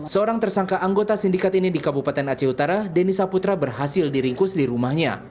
seorang tersangka anggota sindikat ini di kabupaten aceh utara denny saputra berhasil diringkus di rumahnya